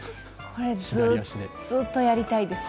これずっとやりたいです。